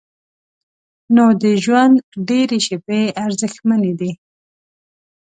نو د ژوند ډېرې شیبې ارزښتمنې دي.